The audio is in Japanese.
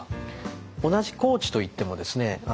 同じ高知といってもですね